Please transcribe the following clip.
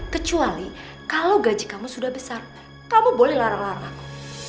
kecuali kalau gaji kamu sudah besar kamu boleh larang larang